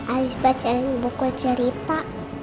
abis baca buku cerita